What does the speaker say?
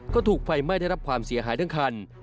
ก็ถูกไฟไหม้ได้รับความเสียหายทั้งคัน